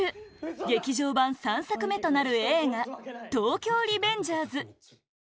劇場版３作目となる映画「東京リベンジャーズ」タケミチ：